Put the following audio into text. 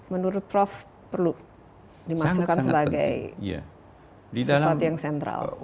menurut prof perlu dimasukkan sebagai sesuatu yang sentral menurut prof perlu dimasukkan sebagai sesuatu yang sentral